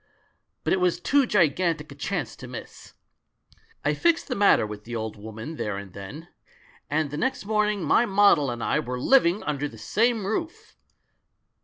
But it was too gigantic a chance to miss. I fixed the matter with the old woman there and then — and the next morning my model and I Were living under the same roof!